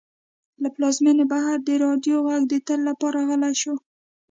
له پلازمېنې بهر د راډیو غږ د تل لپاره غلی شو.